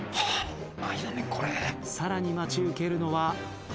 さらに待ち受けるのは。